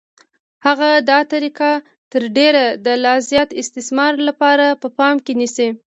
هغه دا طریقه تر ډېره د لا زیات استثمار لپاره په پام کې نیسي